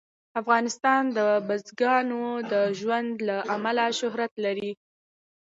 افغانستان د بزګانو د ژوند له امله شهرت لري.